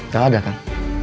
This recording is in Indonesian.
gak ada kan